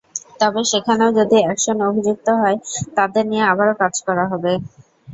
তবে সেখানেও যদি অ্যাকশন অভিযুক্ত হয়, তাদের নিয়ে আবারও কাজ করা হবে।